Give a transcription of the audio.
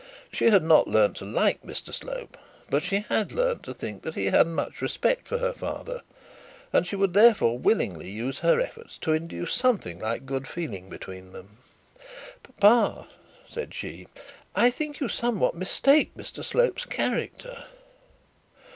She had not learnt to like Mr Slope, but she had learnt to think that he had much respect for her father; and she would, therefore, willingly use her efforts to induce something like good feeling between them. 'Papa,' said she, 'I think you somewhat mistake Mr Slope's character.'